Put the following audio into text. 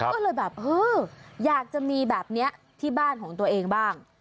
ก็เลยแบบเอออยากจะมีแบบนี้ที่บ้านของตัวเองบ้าง